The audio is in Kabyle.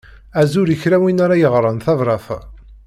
Azul i kra n win ara yeɣren tabrat-a.